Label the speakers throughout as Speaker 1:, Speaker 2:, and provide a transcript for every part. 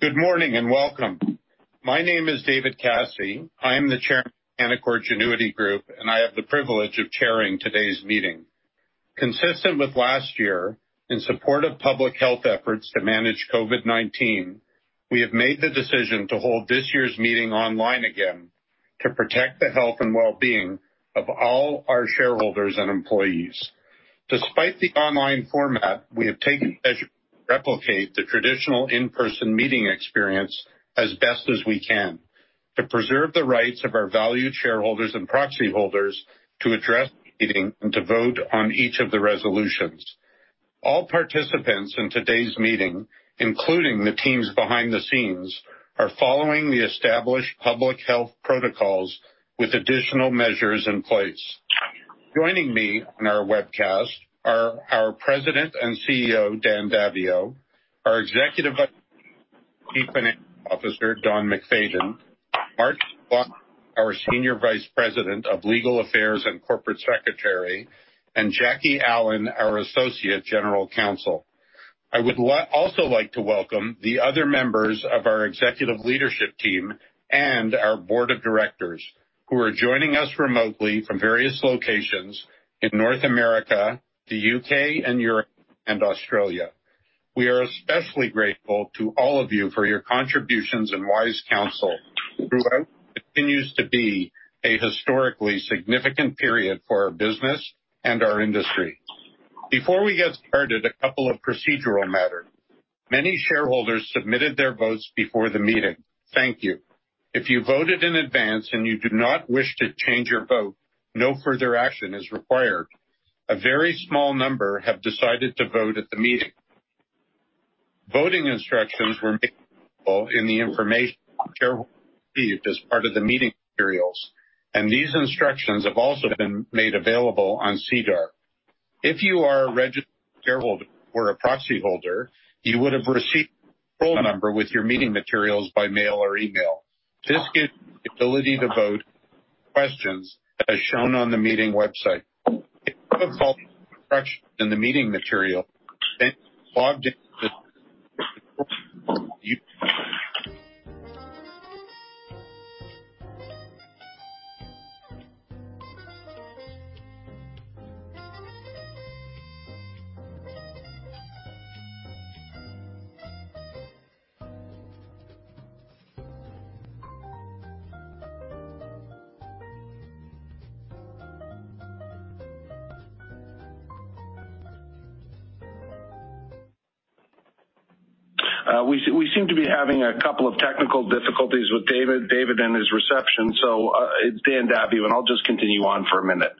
Speaker 1: Good morning and welcome. My name is David Kassie. I am the Chairman of Canaccord Genuity Group, and I have the privilege of chairing today's meeting. Consistent with last year, in support of public health efforts to manage COVID-19, we have made the decision to hold this year's meeting online again to protect the health and well-being of all our shareholders and employees. Despite the online format, we have taken measures to replicate the traditional in-person meeting experience as best as we can to preserve the rights of our valued shareholders and proxy holders to address the meeting and to vote on each of the resolutions. All participants in today's meeting, including the teams behind the scenes, are following the established public health protocols with additional measures in place. Joining me on our webcast are our President and CEO, Dan Daviau, our Executive Vice President and Chief Financial Officer, Don MacFayden, Mark Buckman, our Senior Vice President of Legal Affairs and Corporate Secretary, and Jackie Allen, our Associate General Counsel. I would also like to welcome the other members of our executive leadership team and our Board of Directors who are joining us remotely from various locations in North America, the U.K., and Europe and Australia. We are especially grateful to all of you for your contributions and wise counsel throughout what continues to be a historically significant period for our business and our industry. Before we get started, a couple of procedural matters. Many shareholders submitted their votes before the meeting. Thank you. If you voted in advance and you do not wish to change your vote, no further action is required. A very small number have decided to vote at the meeting. Voting instructions were made available in the information shareholders received as part of the meeting materials, and these instructions have also been made available on SEDAR. If you are a registered shareholder or a proxy holder, you would have received a control number with your meeting materials by mail or email. This gives you the ability to vote on questions as shown on the meeting website. If you have followed the instructions in the meeting material, then logged in with the control number you
Speaker 2: We seem to be having a couple of technical difficulties with David Kassie and his reception. It's Dan Daviau, and I'll just continue on for a minute.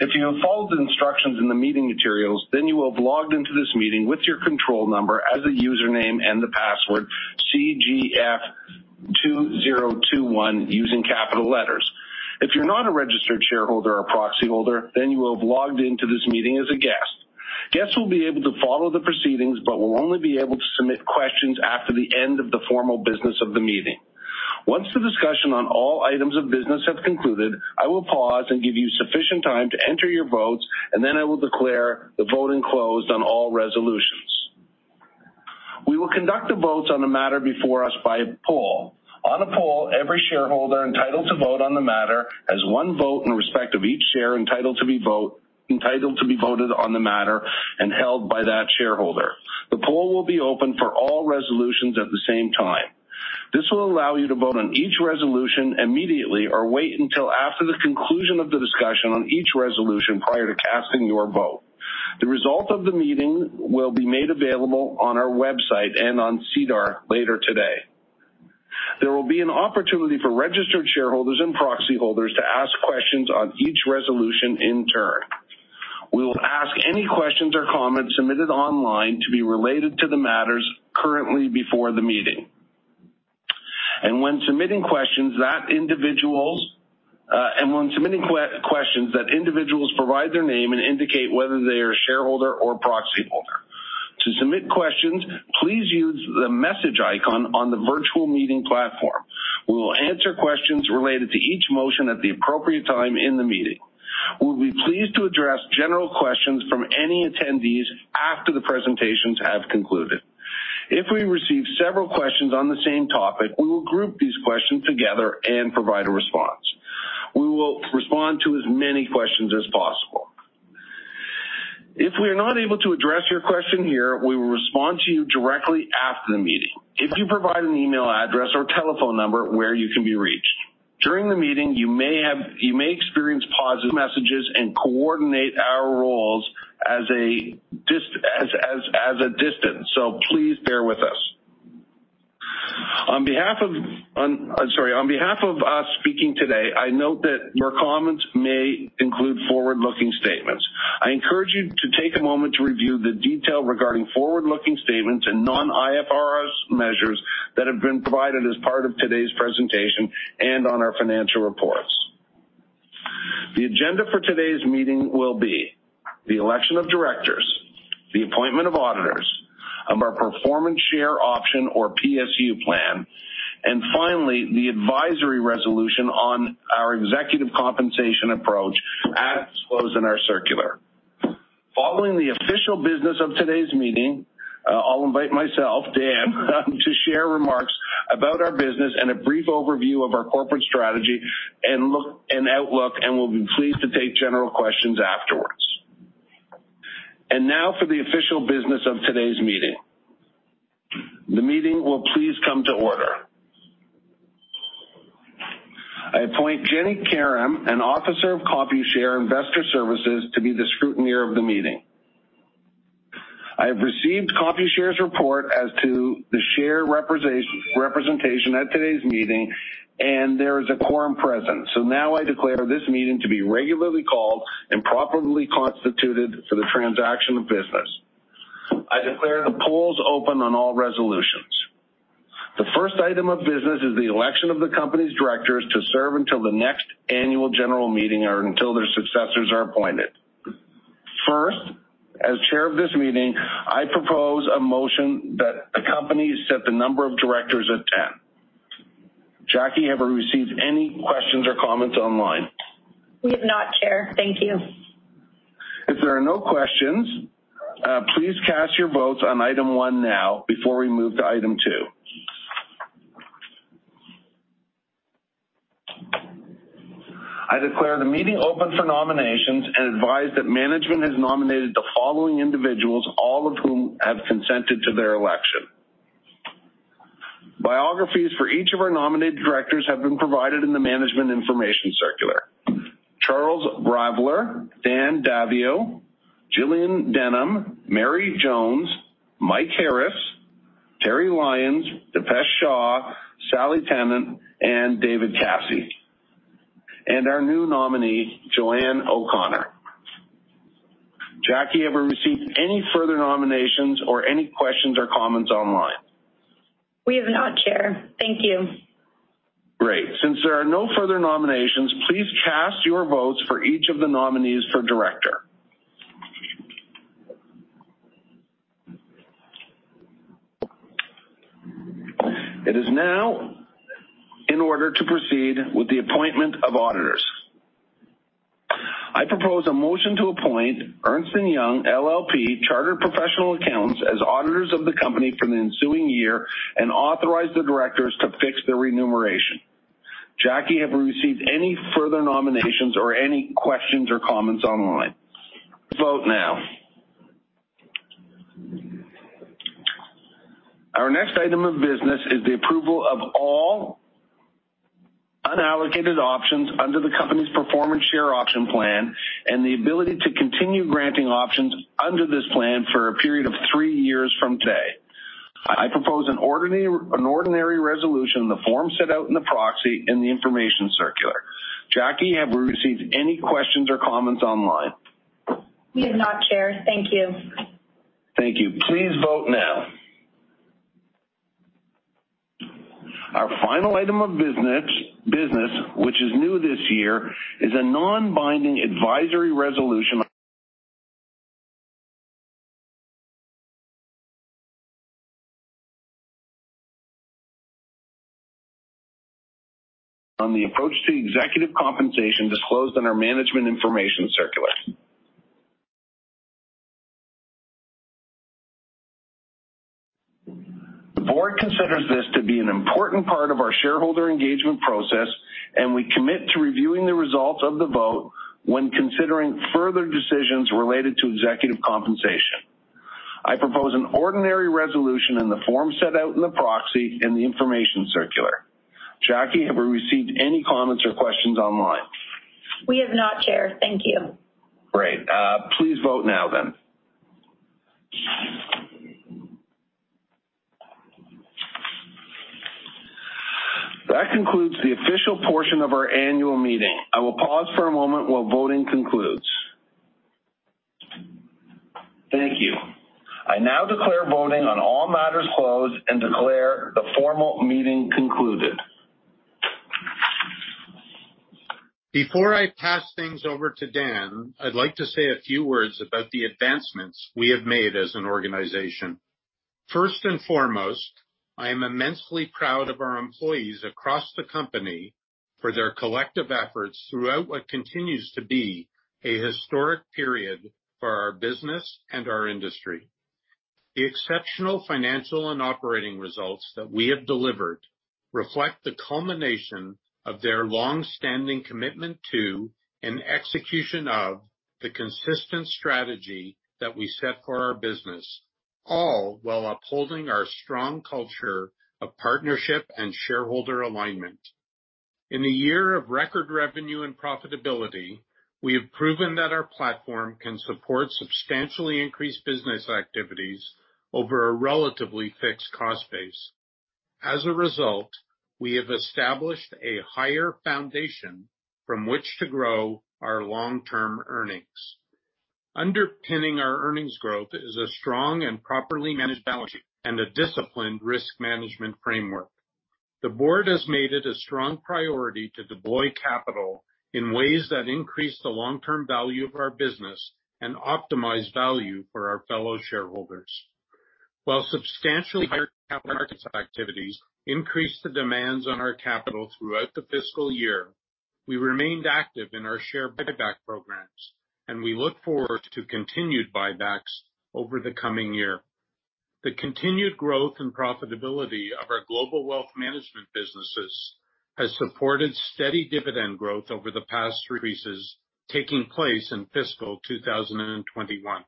Speaker 2: If you have followed the instructions in the meeting materials, you will have logged into this meeting with your control number as a username and the password CGF2021 using capital letters. If you're not a registered shareholder or proxy holder, you will have logged into this meeting as a guest. Guests will be able to follow the proceedings, but will only be able to submit questions after the end of the formal business of the meeting. Once the discussion on all items of business have concluded, I will pause and give you sufficient time to enter your votes, and then I will declare the voting closed on all resolutions. We will conduct the votes on the matter before us by a poll. On a poll, every shareholder entitled to vote on the matter has one vote in respect of each share entitled to be voted on the matter and held by that shareholder. The poll will be open for all resolutions at the same time. This will allow you to vote on each resolution immediately or wait until after the conclusion of the discussion on each resolution prior to casting your vote. The result of the meeting will be made available on our website and on SEDAR later today. There will be an opportunity for registered shareholders and proxy holders to ask questions on each resolution in turn. We will ask any questions or comments submitted online to be related to the matters currently before the meeting. When submitting questions that individuals provide their name and indicate whether they are a shareholder or proxy holder. To submit questions, please use the message icon on the virtual meeting platform. We will answer questions related to each motion at the appropriate time in the meeting. We'll be pleased to address general questions from any attendees after the presentations have concluded. If we receive several questions on the same topic, we will group these questions together and provide a response. We will respond to as many questions as possible. If we are not able to address your question here, we will respond to you directly after the meeting if you provide an email address or telephone number where you can be reached. During the meeting, you may experience pauses as we coordinate our roles as a distance, so please bear with us. I'm sorry. On behalf of us speaking today, I note that your comments may include forward-looking statements. I encourage you to take a moment to review the detail regarding forward-looking statements and non-IFRS measures that have been provided as part of today's presentation and on our financial reports. The agenda for today's meeting will be the election of directors, the appointment of auditors, of our performance share option or PSU plan, and finally, the advisory resolution on our executive compensation approach as disclosed in our circular. Following the official business of today's meeting, I'll invite myself, Dan, to share remarks about our business and a brief overview of our corporate strategy and outlook, and will be pleased to take general questions afterwards. Now for the official business of today's meeting. The meeting will please come to order. I appoint Jenny Karam, an officer of Computershare Investor Services, to be the scrutineer of the meeting. I have received Computershare's report as to the share representation at today's meeting, there is a quorum present. Now I declare this meeting to be regularly called and properly constituted for the transaction of business. I declare the polls open on all resolutions. The first item of business is the election of the company's directors to serve until the next annual general meeting or until their successors are appointed. First, as Chair of this meeting, I propose a motion that the company set the number of directors at 10. Jackie, have we received any questions or comments online?
Speaker 3: We have not, Chair. Thank you.
Speaker 2: If there are no questions, please cast your votes on item one now before we move to item two. I declare the meeting open for nominations and advise that management has nominated the following individuals, all of whom have consented to their election. Biographies for each of our nominated directors have been provided in the management information circular. Charles Bralver, Dan Daviau, Gillian Denham, Mary Jones, Mike Harris, Terry Lyons, Dipesh Shah, Sally Tennant, and David Kassie. Our new nominee, Jo-Anne O'Connor. Jackie, have we received any further nominations or any questions or comments online?
Speaker 3: We have not, Chair. Thank you.
Speaker 2: Great. Since there are no further nominations, please cast your votes for each of the nominees for director. It is now in order to proceed with the appointment of auditors. I propose a motion to appoint Ernst & Young LLP, chartered professional accountants as auditors of the company for the ensuing year and authorize the directors to fix their remuneration. Jackie, have we received any further nominations or any questions or comments online? Vote now. Our next item of business is the approval of all unallocated options under the company's performance share option plan and the ability to continue granting options under this plan for a period of three years from today. I propose an ordinary resolution in the form set out in the proxy in the information circular. Jackie, have we received any questions or comments online?
Speaker 3: We have not, Chair. Thank you.
Speaker 2: Thank you. Please vote now. Our final item of business, which is new this year, is a non-binding advisory resolution on the approach to executive compensation disclosed in our management information circular. The board considers this to be an important part of our shareholder engagement process, and we commit to reviewing the results of the vote when considering further decisions related to executive compensation. I propose an ordinary resolution in the form set out in the proxy in the information circular. Jackie, have we received any comments or questions online?
Speaker 3: We have not, Chair. Thank you.
Speaker 2: Great. Please vote now then. That concludes the official portion of our annual meeting. I will pause for a moment while voting concludes. Thank you. I now declare voting on all matters closed and declare the formal meeting concluded.
Speaker 1: Before I pass things over to Dan, I'd like to say a few words about the advancements we have made as an organization. First and foremost, I am immensely proud of our employees across the company for their collective efforts throughout what continues to be a historic period for our business and our industry. The exceptional financial and operating results that we have delivered reflect the culmination of their long-standing commitment to and execution of the consistent strategy that we set for our business, all while upholding our strong culture of partnership and shareholder alignment. In a year of record revenue and profitability, we have proven that our platform can support substantially increased business activities over a relatively fixed cost base. As a result, we have established a higher foundation from which to grow our long-term earnings. Underpinning our earnings growth is a strong and properly managed balance sheet and a disciplined risk management framework. The board has made it a strong priority to deploy capital in ways that increase the long-term value of our business and optimize value for our fellow shareholders. While substantially higher capital markets activities increased the demands on our capital throughout the fiscal year, we remained active in our share buyback programs, and we look forward to continued buybacks over the coming year. The continued growth and profitability of our global wealth management businesses has supported steady dividend growth over the past three years, taking place in fiscal 2021.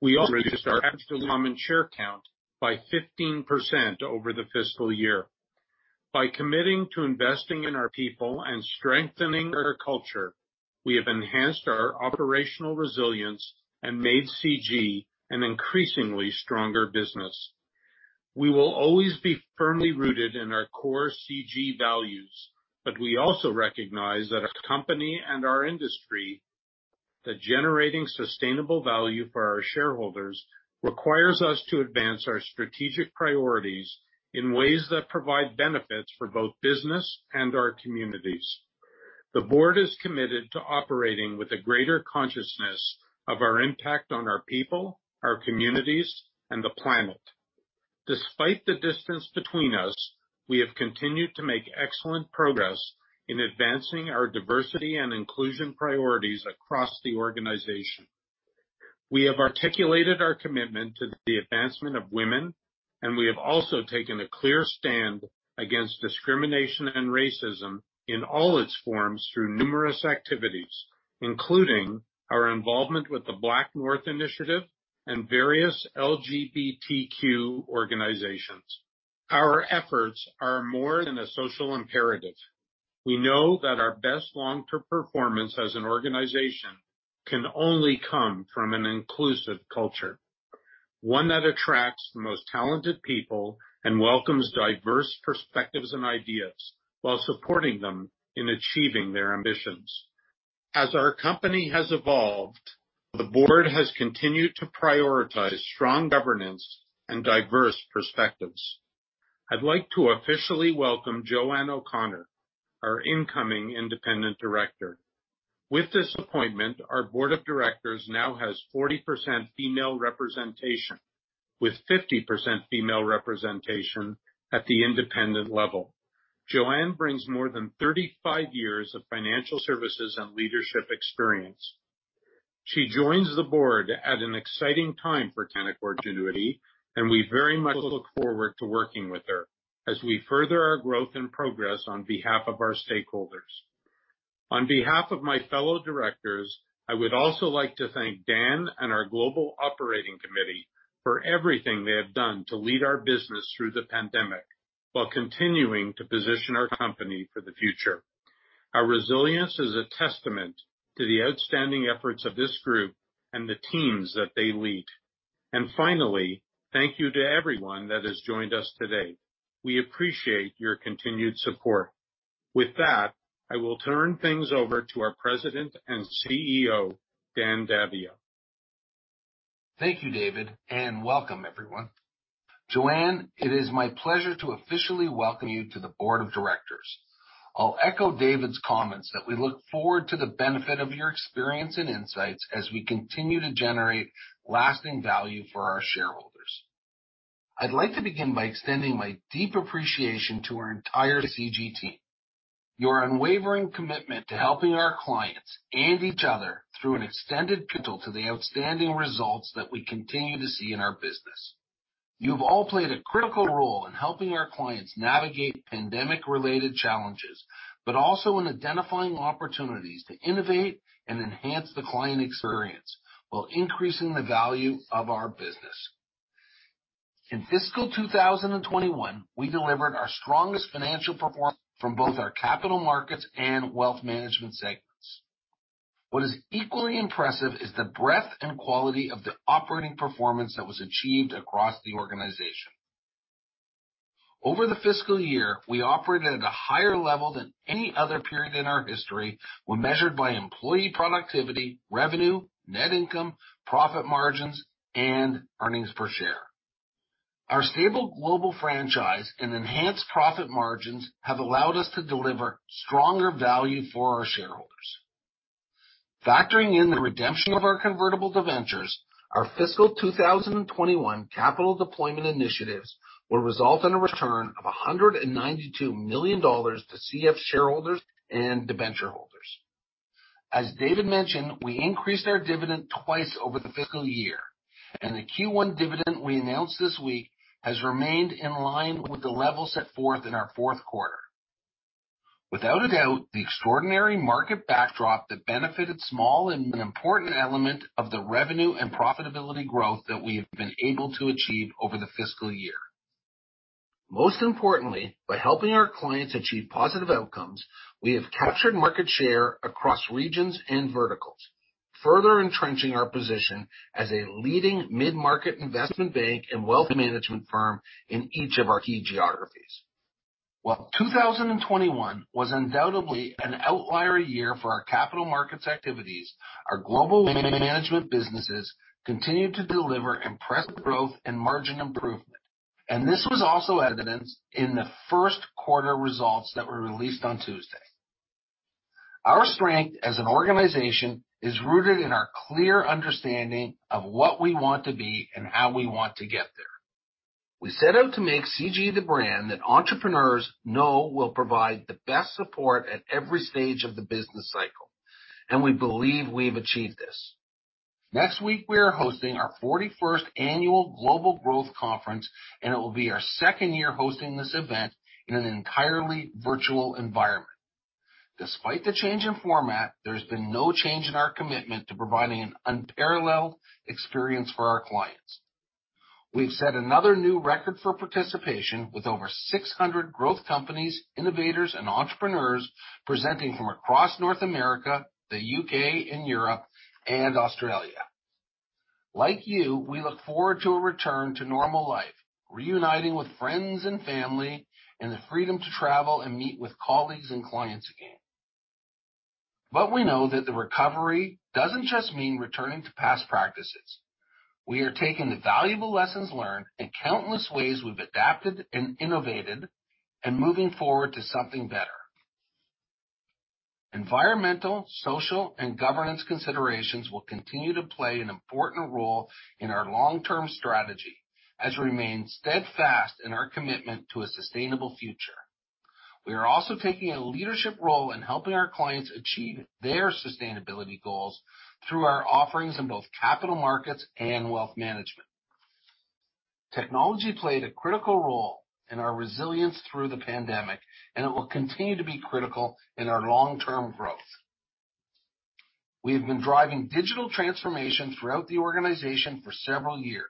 Speaker 1: We also reduced our common share count by 15% over the fiscal year. By committing to investing in our people and strengthening our culture, we have enhanced our operational resilience and made CG an increasingly stronger business. We will always be firmly rooted in our core CG values, but we also recognize that as a company and our industry that generating sustainable value for our shareholders requires us to advance our strategic priorities in ways that provide benefits for both business and our communities. The board is committed to operating with a greater consciousness of our impact on our people, our communities, and the planet. Despite the distance between us, we have continued to make excellent progress in advancing our diversity and inclusion priorities across the organization. We have articulated our commitment to the advancement of women, and we have also taken a clear stand against discrimination and racism in all its forms through numerous activities, including our involvement with the BlackNorth Initiative and various LGBTQ organizations. Our efforts are more than a social imperative. We know that our best long-term performance as an organization can only come from an inclusive culture, one that attracts the most talented people and welcomes diverse perspectives and ideas while supporting them in achieving their ambitions. As our company has evolved, the board has continued to prioritize strong governance and diverse perspectives. I'd like to officially welcome Jo-Anne O'Connor, our incoming independent director. With this appointment, our board of directors now has 40% female representation, with 50% female representation at the independent level. Jo-Anne brings more than 35 years of financial services and leadership experience. She joins the board at an exciting time for Canaccord Genuity, and we very much look forward to working with her as we further our growth and progress on behalf of our stakeholders. On behalf of my fellow directors, I would also like to thank Dan and our global operating committee for everything they have done to lead our business through the pandemic while continuing to position our company for the future. Our resilience is a testament to the outstanding efforts of this group and the teams that they lead. Finally, thank you to everyone that has joined us today. We appreciate your continued support. With that, I will turn things over to our President and CEO, Dan Daviau.
Speaker 2: Thank you, David. Welcome everyone. Jo-Anne, it is my pleasure to officially welcome you to the board of directors. I'll echo David's comments that we look forward to the benefit of your experience and insights as we continue to generate lasting value for our shareholders. I'd like to begin by extending my deep appreciation to our entire CG team. Your unwavering commitment to helping our clients and each other through an extended period to the outstanding results that we continue to see in our business. You've all played a critical role in helping our clients navigate pandemic-related challenges, but also in identifying opportunities to innovate and enhance the client experience while increasing the value of our business. In fiscal 2021, we delivered our strongest financial performance from both our capital markets and wealth management segments. What is equally impressive is the breadth and quality of the operating performance that was achieved across the organization. Over the fiscal year, we operated at a higher level than any other period in our history when measured by employee productivity, revenue, net income, profit margins, and earnings per share. Our stable global franchise and enhanced profit margins have allowed us to deliver stronger value for our shareholders. Factoring in the redemption of our convertible debentures, our fiscal 2021 capital deployment initiatives will result in a return of 192 million dollars to CF shareholders and debenture holders. As David mentioned, we increased our dividend twice over the fiscal year, and the Q1 dividend we announced this week has remained in line with the level set forth in our fourth quarter. Without a doubt, the extraordinary market backdrop that benefited small and important element of the revenue and profitability growth that we have been able to achieve over the fiscal year. Most importantly, by helping our clients achieve positive outcomes, we have captured market share across regions and verticals, further entrenching our position as a leading mid-market investment bank and wealth management firm in each of our key geographies. While 2021 was undoubtedly an outlier year for our capital markets activities, our global management businesses continued to deliver impressive growth and margin improvement, and this was also evidenced in the first quarter results that were released on Tuesday. Our strength as an organization is rooted in our clear understanding of what we want to be and how we want to get there. We set out to make CG the brand that entrepreneurs know will provide the best support at every stage of the business cycle, and we believe we've achieved this. Next week, we are hosting our 41st annual Global Growth Conference, and it will be our second year hosting this event in an entirely virtual environment. Despite the change in format, there's been no change in our commitment to providing an unparalleled experience for our clients. We've set another new record for participation with over 600 growth companies, innovators, and entrepreneurs presenting from across North America, the U.K. and Europe, and Australia. Like you, we look forward to a return to normal life, reuniting with friends and family, and the freedom to travel and meet with colleagues and clients again. We know that the recovery doesn't just mean returning to past practices. We are taking the valuable lessons learned and countless ways we've adapted and innovated and moving forward to something better. Environmental, social, and governance considerations will continue to play an important role in our long-term strategy as we remain steadfast in our commitment to a sustainable future. We are also taking a leadership role in helping our clients achieve their sustainability goals through our offerings in both capital markets and wealth management. Technology played a critical role in our resilience through the pandemic, and it will continue to be critical in our long-term growth. We have been driving digital transformation throughout the organization for several years,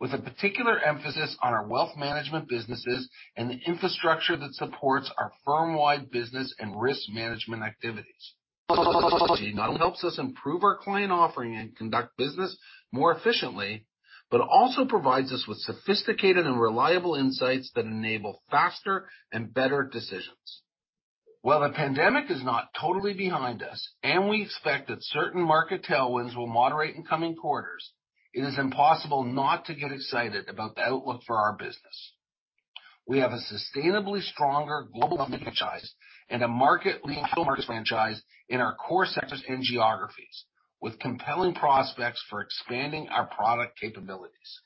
Speaker 2: with a particular emphasis on our wealth management businesses and the infrastructure that supports our firm-wide business and risk management activities. Technology not only helps us improve our client offering and conduct business more efficiently, but also provides us with sophisticated and reliable insights that enable faster and better decisions. While the pandemic is not totally behind us, and we expect that certain market tailwinds will moderate in coming quarters, it is impossible not to get excited about the outlook for our business. We have a sustainably stronger global franchise and a market-leading franchise in our core sectors and geographies, with compelling prospects for expanding our product capabilities.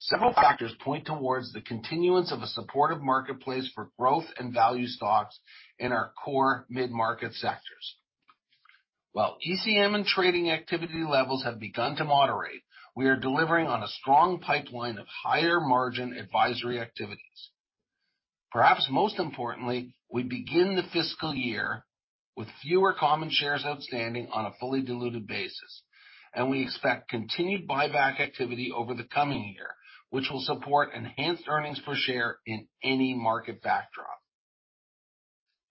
Speaker 2: Several factors point towards the continuance of a supportive marketplace for growth and value stocks in our core mid-market sectors. While ECM and trading activity levels have begun to moderate, we are delivering on a strong pipeline of higher margin advisory activities. Perhaps most importantly, we begin the fiscal year with fewer common shares outstanding on a fully diluted basis, and we expect continued buyback activity over the coming year, which will support enhanced earnings per share in any market backdrop.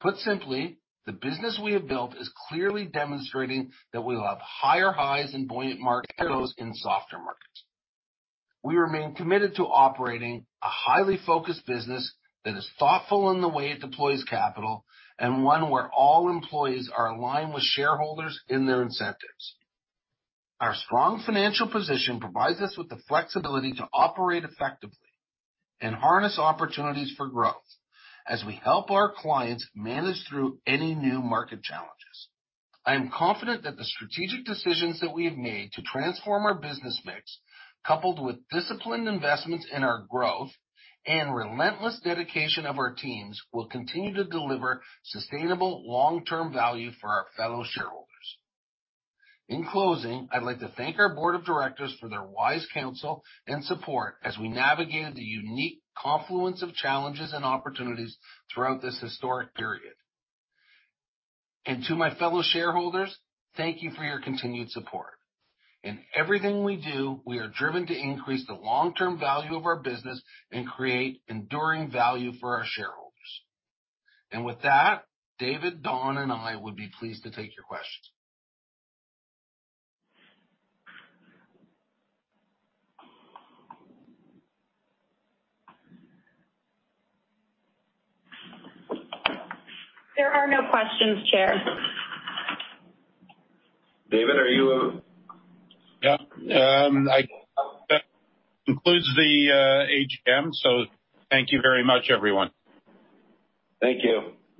Speaker 2: Put simply, the business we have built is clearly demonstrating that we will have higher highs in buoyant market and lows in softer markets. We remain committed to operating a highly focused business that is thoughtful in the way it deploys capital and one where all employees are aligned with shareholders in their incentives. Our strong financial position provides us with the flexibility to operate effectively and harness opportunities for growth as we help our clients manage through any new market challenges. I am confident that the strategic decisions that we have made to transform our business mix, coupled with disciplined investments in our growth and relentless dedication of our teams, will continue to deliver sustainable long-term value for our fellow shareholders. In closing, I'd like to thank our board of directors for their wise counsel and support as we navigate the unique confluence of challenges and opportunities throughout this historic period. To my fellow shareholders, thank you for your continued support. In everything we do, we are driven to increase the long-term value of our business and create enduring value for our shareholders. With that, David, Don, and I would be pleased to take your questions.
Speaker 3: There are no questions, Chair.
Speaker 2: David, are you-
Speaker 1: Yeah, That concludes the AGM, thank you very much, everyone.
Speaker 2: Thank you.